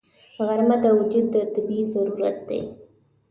غرمه د وجود طبیعي ضرورت دی